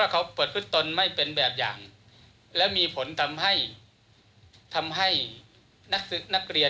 อย่างถ้าก่อนบอกว่าก็มีพฤติกรรมชอบซื้อห่วยแบบเนี่ย